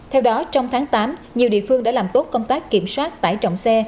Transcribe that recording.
theo đó trong tháng tám nhiều địa phương đã làm tốt công tác kiểm soát tải trọng xe